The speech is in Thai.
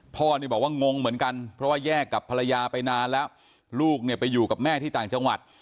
พ่อนี่บอกว่างงเหมือนกันเพราะว่าแยกกับภรรยาไปนานแล้วลูกเนี่ยไปอยู่กับแม่ที่ต่างจังหวัด